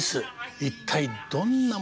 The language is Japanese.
一体どんなものなのか。